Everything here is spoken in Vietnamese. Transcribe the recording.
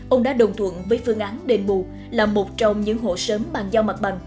ông đã đồng thuận với phương án đền bù là một trong những hộ sớm bàn giao mặt bằng